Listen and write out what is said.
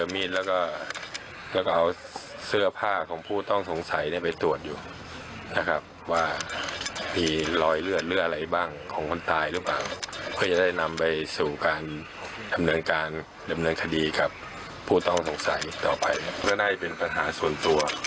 มันต้องสงสัยต่อไปเพื่อได้เป็นปัญหาส่วนตัว